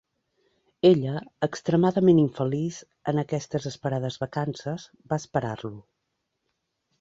Ella, extremadament infeliç en aquestes esperades vacances, va esperar-lo.